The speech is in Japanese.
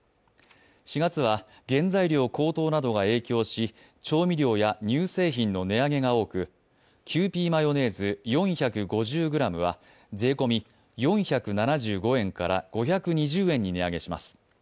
４月は原材料高騰などが影響し、調味料や乳製品などの値上げが多く、キユーピーマヨネーズ４５０ｇは税込み４７５円から５２０円に値上げします。